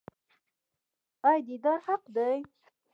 آیا دیدار حق دی؟